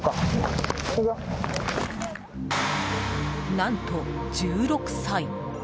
何と、１６歳。